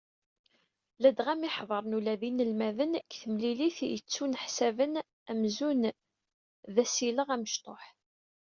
Ladɣa mi ḥeḍren ula d inelmaden deg temlilit yettuneḥsaben amzun d asileɣ amecṭuḥ.